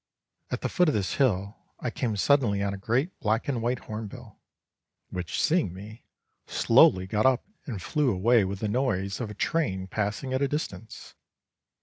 At the foot of this hill I came suddenly on a great black and white hornbill, which, seeing me, slowly got up and flew away with the noise of a train passing at a distance.